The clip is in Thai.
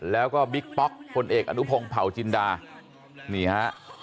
แล้วก็บิ๊กป๊อกพลเอกอนุพงศ์เผาจินดานี่ฮะ